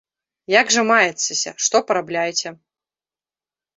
Як жа маецеся, што парабляеце?